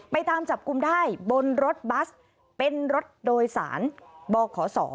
ตามจับกลุ่มได้บนรถบัสเป็นรถโดยสารบขศ